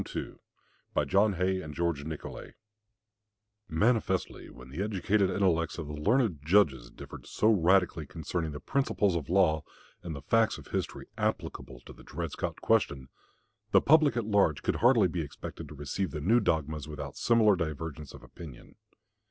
CHAPTER V DOUGLAS AND LINCOLN ON DRED SCOTT Manifestly, when the educated intellects of the learned judges differed so radically concerning the principles of law and the facts of history applicable to the Dred Scott question, the public at large could hardly be expected to receive the new dogmas without similar divergence of opinion.